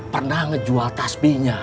pernah ngejual tas bnya